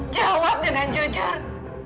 jawab dengan jujur